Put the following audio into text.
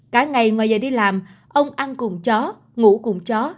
cả ngày ngoài giờ đi làm ông ăn cùng chó ngủ cùng chó